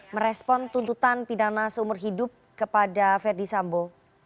merespon tuntutan pidana seumur hidup kepada ferdisambo